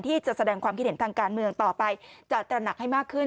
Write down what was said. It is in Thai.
ที่จะแสดงความคิดเห็นทางการเมืองต่อไปจะตระหนักให้มากขึ้น